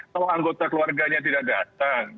kalau anggota keluarganya tidak datang